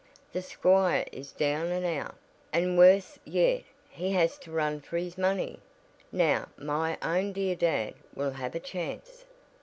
"The squire is down and out. And worse yet he has to run for his money. Now my own dear dad will have a chance.